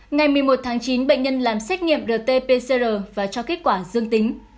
ngày một mươi một tháng chín bệnh nhân làm xét nghiệm rt pcr và cho kết quả dương tính